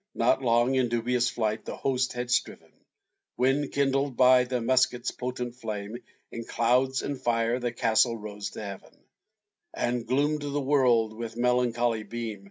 Not long in dubious fight the host had striven, When, kindled by the musket's potent flame, In clouds, and fire, the castle rose to heaven, And gloom'd the world, with melancholy beam.